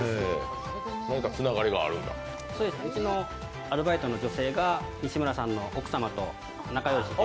うちのアルバイトの女性が、西村さんの奥様と仲良しで。